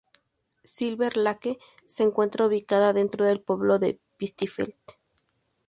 Silver Lake se encuentra ubicada dentro del pueblo de Pittsfield.